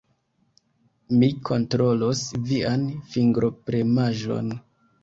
Mi kontrolos vian fingropremaĵon.